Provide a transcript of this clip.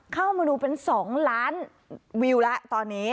เข้ามาดูเป็น๒ล้านวิวแล้วตอนนี้